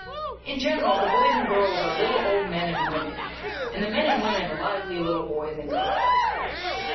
In general, the boys and girls are little old men and women, and the men and women lively boys and girls.